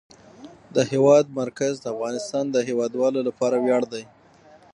د هېواد مرکز د افغانستان د هیوادوالو لپاره ویاړ دی.